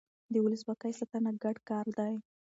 د ولسواکۍ ساتنه ګډ کار دی